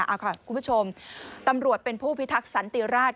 คุณผู้ชมตำรวจเป็นผู้พิทักษ์สันติราช